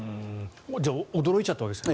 じゃあ驚いちゃったわけですか。